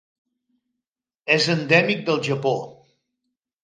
És endèmic del Japó.